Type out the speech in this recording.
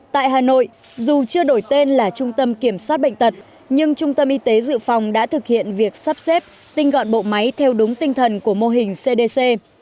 tại hà nội dù chưa đổi tên là trung tâm kiểm soát bệnh tật nhưng trung tâm y tế dự phòng đã thực hiện việc sắp xếp tinh gọn bộ máy theo đúng tinh thần của mô hình cdc